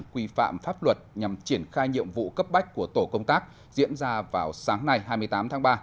quy phạm pháp luật nhằm triển khai nhiệm vụ cấp bách của tổ công tác diễn ra vào sáng nay hai mươi tám tháng ba